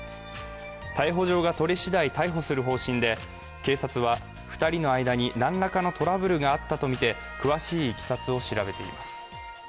逮捕状が取れ次第逮捕する方針で警察は２人の間に何らかのトラブルがあったとみて詳しいいきさつを調べています。